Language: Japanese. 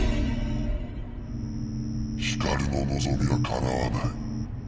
ヒカルの望みはかなわない。